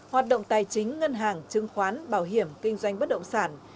hoạt động tài chính ngân hàng chứng khoán bảo hiểm kinh doanh bất động sản